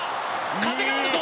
風があるぞ。